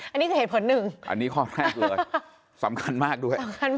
อันนี้คือเหตุผลหนึ่งสำคัญมากด้วย